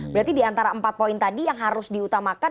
berarti diantara empat poin tadi yang harus diutamakan